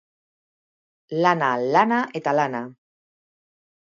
Lana, lana eta lana.